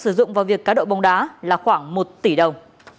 sử dụng vào việc cá độ bóng đá là khoảng một tỷ đồng